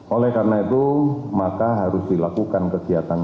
oleh karena itu maka harus dilakukan kegiatan